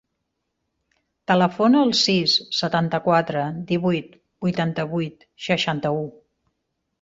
Telefona al sis, setanta-quatre, divuit, vuitanta-vuit, seixanta-u.